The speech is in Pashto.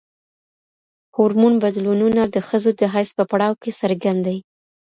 هورمون بدلونونه د ښځو د حیض په پړاو کې څرګند دي.